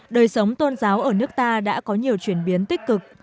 đời sống tôn giáo ở nước ta đã có nhiều chuyển biến tích cực